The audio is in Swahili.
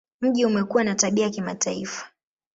Mji umekuwa na tabia ya kimataifa.